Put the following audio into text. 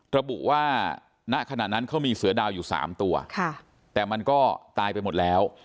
ระบุว่าณขณะนั้นเขามีเสือดาวอยู่๓ตัวแต่มันก็ตายไปหมดแล้ว